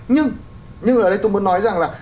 nhưng nhưng ở đây tôi muốn nói rằng là